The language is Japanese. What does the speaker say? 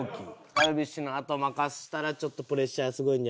ダルビッシュのあと任せたらちょっとプレッシャーすごいんじゃないかな？